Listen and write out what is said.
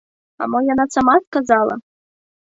А мо яна сама сказала?